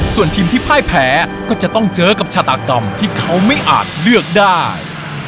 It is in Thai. ส่วนทีมที่พ่ายแพ้ก็จะต้องเจอกับชาตากรรมที่เขาไม่อาจเลือกได้